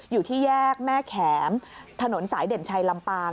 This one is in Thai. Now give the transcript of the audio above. อยู่ที่แยกแม่แข็มถนนสายเด่นชัยลำปาง